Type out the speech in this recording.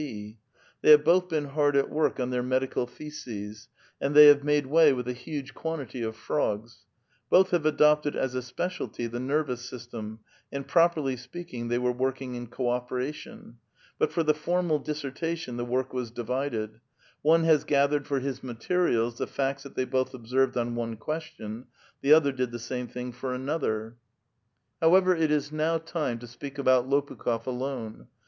D. They have both been hard at work on their medical theses, and they have made way with a huge quantity of frogs ; both have ado[)ted as a specialty the nervous system, and properly speaking they were working in co operation ; but for tlie formal dissertation the work was divided : one has gathered for his materials the facts that they both observed on one question, the other did the same thing for another. A VITAL QUESTION. 61 However, it is now time to speqk about Lopiikh6f alone.